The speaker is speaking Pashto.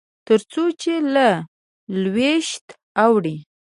تر څو چې له لوېشته اوړي.